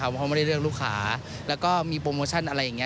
เพราะเขาไม่ได้เลือกลูกค้าแล้วก็มีโปรโมชั่นอะไรอย่างนี้